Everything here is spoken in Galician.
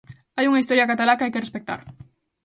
Hai unha historia catalá que hai que respectar.